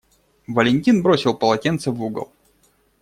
Валентин бросил полотенце в угол.